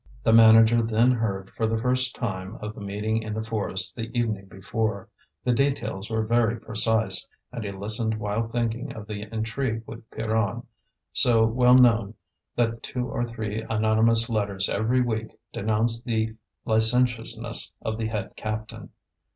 The manager then heard, for the first time, of the meeting in the forest the evening before; the details were very precise, and he listened while thinking of the intrigue with Pierronne, so well known that two or three anonymous letters every week denounced the licentiousness of the head captain.